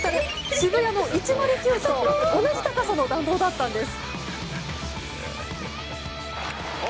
渋谷の１０９と同じ高さの弾道だったんです。